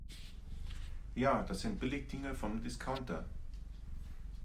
Ja, das sind Billigdinger vom Discounter.